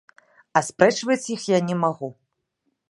Аспрэчваць іх я не магу.